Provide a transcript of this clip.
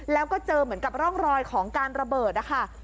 แล้วก็เจอเหมือนกับร่องรอยของการระเบิดนะคะ